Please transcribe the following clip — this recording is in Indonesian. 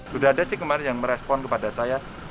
sudah ada sih kemarin yang merespon kepada saya